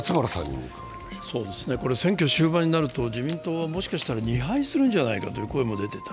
選挙終盤になると自民党はもしかすると２敗するんじゃないかという声も出ていた。